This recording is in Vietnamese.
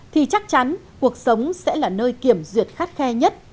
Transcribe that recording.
thì chắc chắn cuộc sống sẽ là nơi kiểm duyệt khắt khe nhất